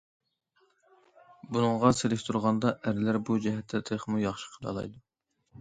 بۇنىڭغا سېلىشتۇرغاندا، ئەرلەر بۇ جەھەتتە تېخىمۇ ياخشى قىلالايدۇ.